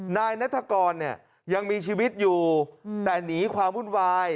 นายนัฐกรเนี่ยยังมีชีวิตอยู่แต่หนีความวุ่นวาย